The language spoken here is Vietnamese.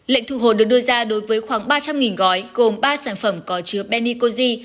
lệnh thu hồi được đưa ra đối với khoảng ba trăm linh gói gồm ba sản phẩm có chứa benicozi